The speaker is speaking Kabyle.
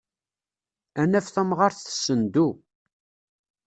Ad naf tamɣart tessendu.